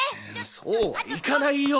そうはいかないよ。